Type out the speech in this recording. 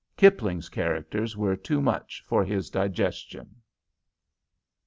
Kipling's characters were too much for his digestion.